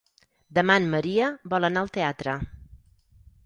Demà en Maria vol anar al teatre.